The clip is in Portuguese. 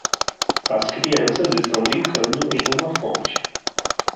As crianças estão brincando em uma fonte.